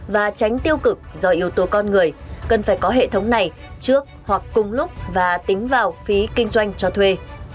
và tránh tiêu cực do yếu tố con người cần phải có hệ thống này trước hoặc cùng lúc và tính vào phí kinh doanh cho thuê